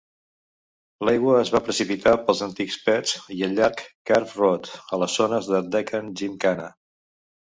L'aigua es va precipitar pels antics "Peths" i al llarg de Karve Road, a les zones de Deccan Gymkhana.